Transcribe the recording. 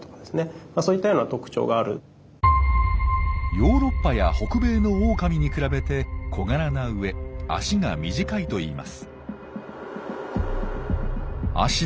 ヨーロッパや北米のオオカミに比べて小柄なうえ脚が短いといいます。